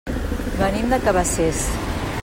Venim de Cabacés.